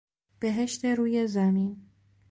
بهشت روی زمین